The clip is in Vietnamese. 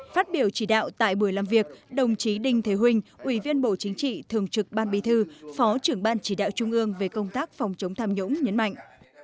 phát biểu chỉ đạo tại buổi làm việc đồng chí đinh thế huệ ủy viên bộ chính trị thường trực ban bi thư phó trưởng ban chỉ đạo trung ương về công tác phòng chống tham nhũng nhấn mạnh